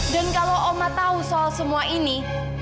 dan kalau oma tahu soal semua ini